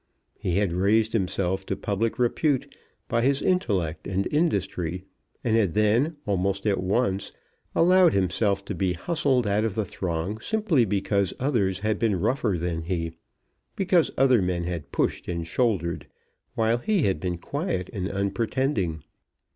He had raised himself to public repute by his intellect and industry, and had then, almost at once, allowed himself to be hustled out of the throng simply because others had been rougher than he, because other men had pushed and shouldered while he had been quiet and unpretending.